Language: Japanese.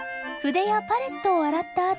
筆やパレットを洗った